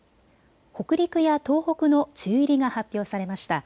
北陸や東北の梅雨入りが発表されました。